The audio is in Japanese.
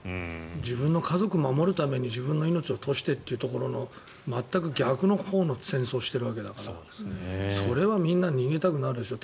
自分の家族を守るために自分の命を賭してというところの全く逆のほうの戦争をしているわけだからそれはみんな逃げたくなるでしょう。